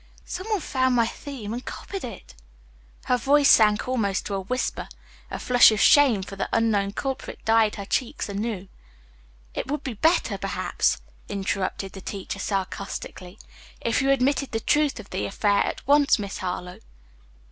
"Some one found my theme and copied it." Her voice sank almost to a whisper. A flush of shame for the unknown culprit dyed her cheeks anew. "It would be better, perhaps," interrupted the teacher sarcastically, "if you admitted the truth of the affair at once, Miss Harlowe."